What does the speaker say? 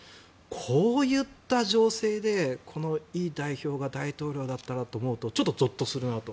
こういった情勢でこのイ代表が大統領だったらと思うとゾッとするなと。